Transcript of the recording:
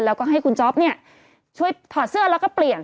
แล้วก็ให้คุณจ๊อปเนี่ยช่วยถอดเสื้อแล้วก็เปลี่ยน